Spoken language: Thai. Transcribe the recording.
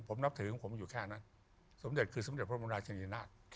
ผมนับถือของผมอยู่แค่นั้นสมเด็จคือสมเด็จพระบรมราชนีนาฏ